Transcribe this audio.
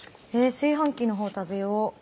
炊飯器のほう食べよう。